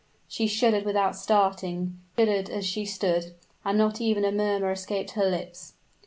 She shuddered without starting shuddered as she stood; and not even a murmur escaped her lips.